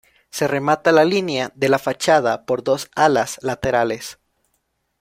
Se remata la línea de la fachada por dos alas laterales.